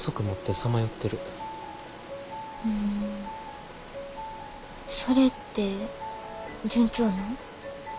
うんそれって順調なん？